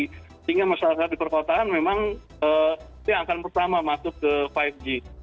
sehingga masyarakat di perkotaan memang yang akan pertama masuk ke lima g